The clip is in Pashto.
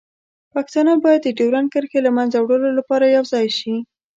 پښتانه باید د ډیورنډ کرښې له منځه وړلو لپاره یوځای شي.